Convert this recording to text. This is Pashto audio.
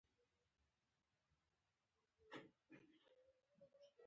• بادام د ذهن لپاره خورا ګټور دی.